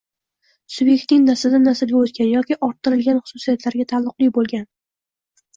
Subyektning nasldan-naslga o‘tgan yoki orttirilgan xususiyatlariga taalluqli bo‘lgan